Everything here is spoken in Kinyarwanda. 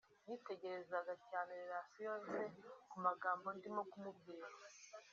nitegerezaga cyane réactions ze ku magambo ndimo kumubwira